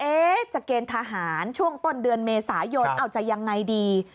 จะเกณฑ์ทหารช่วงต้นเดือนเมษายนเอาจะยังไงดี